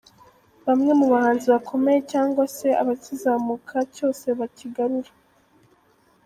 bamwe mu bahanzi bakomeye cyangwa se abakizamuka, cyose bakigarura.